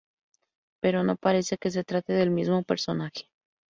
Pero no parece que se trate del mismo personaje.